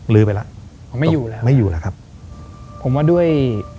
ลื้อไปแล้วผมไม่อยู่แล้วไม่อยู่แล้วครับผมว่าด้วย